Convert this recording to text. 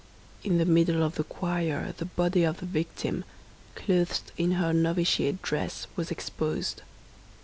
In the middle of the choir the body of the victim, clothed in her novitiate dress, was exposed.